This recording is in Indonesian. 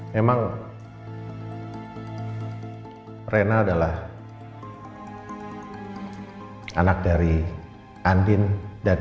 memang rena adalah anak dari andin dan